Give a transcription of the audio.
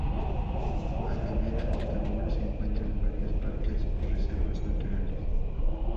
A la vera del camino se encuentran varios parques y reservas naturales.